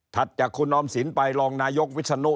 ถัดจากคุณออมศิลป์ไปลองนายกวิธนุ